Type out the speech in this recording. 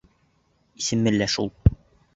Исеме лә шул...